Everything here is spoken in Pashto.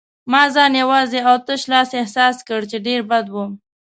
ما ځان یوازې او تش لاس احساس کړ، چې ډېر بد و.